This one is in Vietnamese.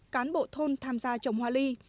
cán bộ thôn tham gia trồng hoa ly